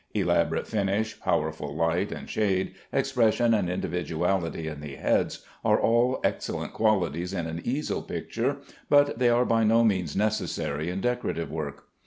Elaborate finish, powerful light and shade, expression and individuality in the heads, are all excellent qualities in an easel picture, but they are by no means necessary in decorative work.